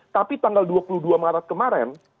tapi tanggal dua puluh dua maret kemarin